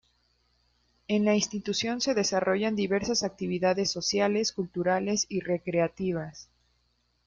En la institución se desarrollan diversas actividades sociales, culturales y recreativas.